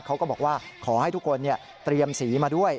เขาก็บอกว่าขอให้ทุกคนเตรียมสีมาด้วย